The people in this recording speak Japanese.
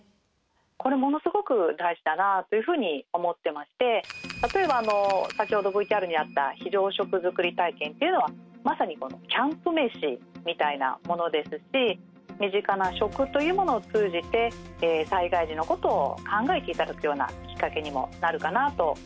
これものすごく大事だなというふうに思ってまして例えば先ほどＶＴＲにあった非常食づくり体験っていうのはまさにキャンプ飯みたいなものですし身近な食というものを通じて災害時のことを考えて頂くようなきっかけにもなるかなと思ってます。